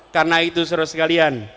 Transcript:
karena itu suruh sekalian